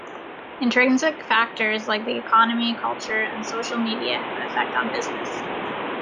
Extrinsic factors like the economy, culture and social media have an effect on business.